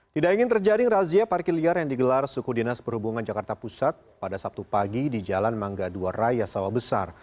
tidak ingin terjaring razia parkir liar yang digelar suku dinas perhubungan jakarta pusat pada sabtu pagi di jalan mangga ii raya sawah besar